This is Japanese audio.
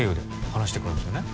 話してくるんすよね